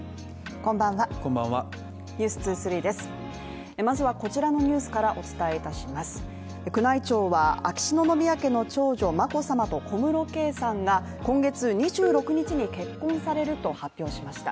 こんばんは「ｎｅｗｓ２３」ですまずはこちらのニュースからお伝えいたします宮内庁は、秋篠宮家の長女眞子さまと小室圭さんが、今月２６日に結婚されると発表しました。